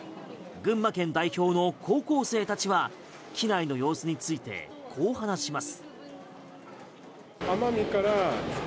群馬県代表の高校生たちは機内の様子についてこう話します。